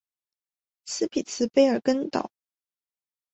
斯匹兹卑尔根岛。